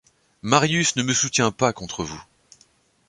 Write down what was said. Marius ne me soutient pas contre vous.